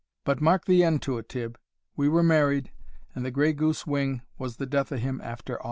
But mark the end o' it, Tibb; we were married, and the gray goose wing was the death o' him after a'!"